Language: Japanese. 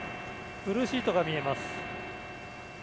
ブルーシートが見えます。